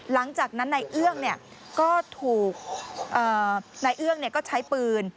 หลังจากนั้นนายเอื้องก็ใช้ปืน